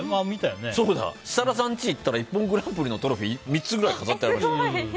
設楽さんち行ったら「ＩＰＰＯＮグランプリ」のトロフィーが３つぐらい飾ってありましたよ。